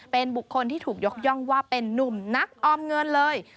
เป็นบุคคลที่ถูกยกย่องว่าเป็นนุ่มนักออมเงินเลย